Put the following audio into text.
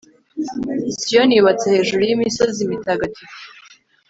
siyoni yubatse hejuru y'imisozi mitagatifu